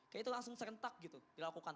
kayak itu langsung serentak gitu dilakukan